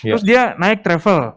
terus dia naik travel